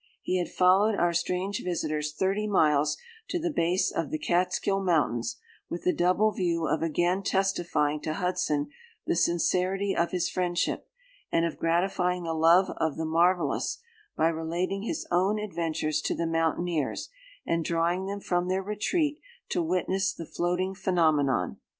He had followed our strange visitors thirty miles, to the base of the Catskill mountains, with the double view of again testifying to Hudson the sincerity of his friendship, and of gratifying the love of the marvellous, by relating his own adventures to the mountaineers, and drawing them from their retreat to witness the floating phenomenon.